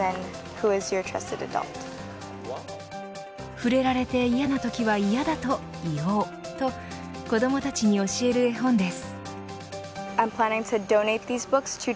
触れられて嫌なときは嫌だと言おうと子どもたちに教える本です。